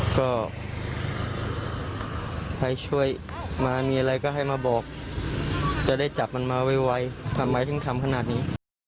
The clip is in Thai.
ก็ใครช่วยมามีอะไรก็ให้มาบอกจะได้จับมันมาไวทำไมถึงทำขนาดนี้